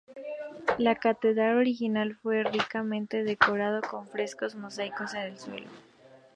La catedral original fue ricamente decorado con frescos y mosaicos en el suelo.